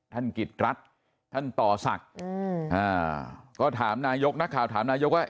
ท่านกิจรัตร์ท่านต่อศักดิ์อืมอ่าก็ถามนายกนะคะถามนายกว่า